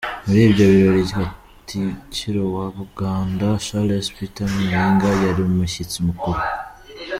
Muri ibyo birori Katikiro wa Buganda Charles Peter Mayiga yari umushyitsi mukuru.